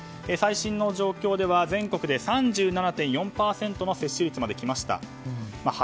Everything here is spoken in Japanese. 最新の状況では全国で３７．４％の接種率まで来ました。